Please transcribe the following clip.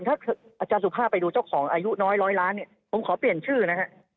ถ้าอาจารย์สุภาพไปดูเจ้าของอายุน้อยร้อยล้านเนี่ยผมขอเปลี่ยนชื่อนะฮะ